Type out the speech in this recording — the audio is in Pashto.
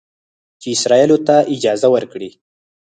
چې اسرائیلو ته اجازه ورکړي